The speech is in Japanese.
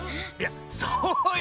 そうよ